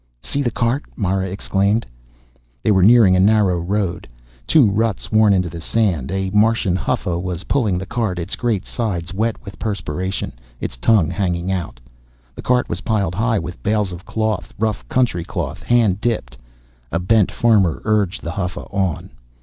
"See the cart!" Mara exclaimed. They were nearing a narrow road, two ruts worn into the sand. A Martian hufa was pulling the cart, its great sides wet with perspiration, its tongue hanging out. The cart was piled high with bales of cloth, rough country cloth, hand dipped. A bent farmer urged the hufa on.